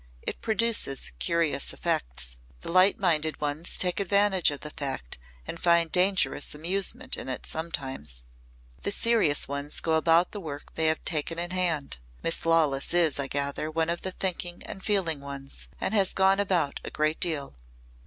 "It produces curious effects. The light minded ones take advantage of the fact and find dangerous amusement in it sometimes. The serious ones go about the work they have taken in hand. Miss Lawless is, I gather, one of the thinking and feeling ones and has gone about a great deal."